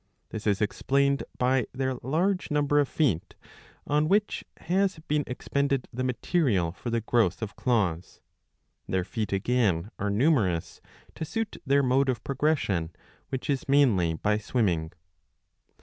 This is explained by their large number of feet, on which has been expended the material for the growth of claws.* Their feet again are numerous to suit their mode of progression, which is mainly by swimming.